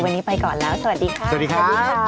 วันนี้ไปก่อนแล้วสวัสดีค่ะ